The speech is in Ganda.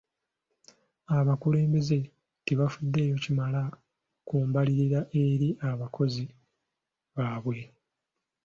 Abakulembeze tebafuddeyo kimala ku mbalirira eri abalonzi baabwe.